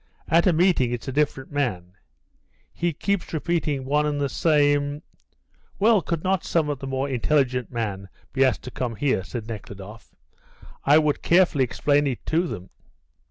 At a meeting it's a different man he keeps repeating one and the same ..." "Well, could not some of the more intelligent men be asked to come here?" said Nekhludoff. "I would carefully explain it to them."